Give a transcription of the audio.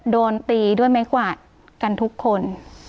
โดนตีด้วยไม้กวาดกันทุกคน